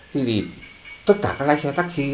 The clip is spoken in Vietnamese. thì tất cả các lái xe taxi